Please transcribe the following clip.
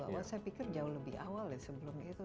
saya pikir jauh lebih awal ya sebelum itu